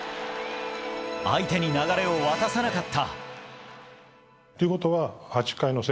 相手に流れを渡さなかった。